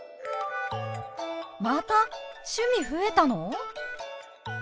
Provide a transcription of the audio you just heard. また趣味増えたの！？